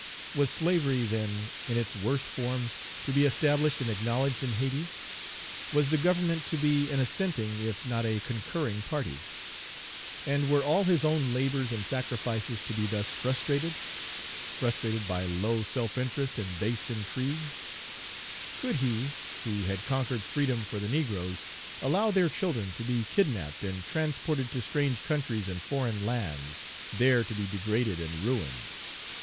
Was slavery, then, in its worst form, to be established and acknowledged in Hayti? Was the Government to be an assenting, if not a concurring, party? And were all his own labors and sacrifices to be thus frustrated? frustrated by low self interest and base intrigues? Could he, who had conquered freedom for the negroes, allow their children to be kidnapped and transported to strange countries and foreign lands, there to be degraded and ruined?